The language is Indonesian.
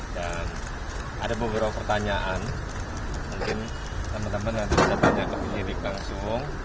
dan ada beberapa pertanyaan mungkin teman teman yang sudah tanya ke penyidik langsung